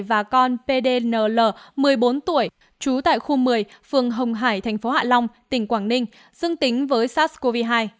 và con pdnl một mươi bốn tuổi trú tại khu một mươi phường hồng hải tp hạ long tỉnh quảng ninh dưng tính với sars cov hai